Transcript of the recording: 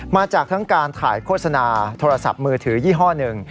มาจากทั้งการถ่ายโฆษณาโทรศัพท์มือถือยี่ห้อหนึ่ง